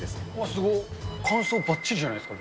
すごっ、感想ばっちりじゃないですか。